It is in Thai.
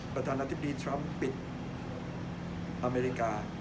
ประธานาธิบดีทรัมป์ปิดอเมริกา